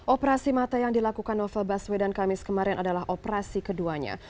operasi mata yang dilakukan novel baswedan kamis kemarin adalah operasi keduanya